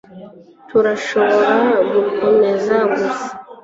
turashobora gukomeza gusa